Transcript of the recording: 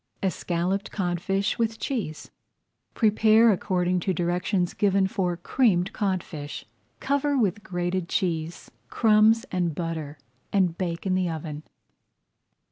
ESCALLOPED CODFISH WITH CHEESE Prepare according to directions given for Creamed Codfish. Cover with grated cheese, crumbs, and butter, and bake in the oven.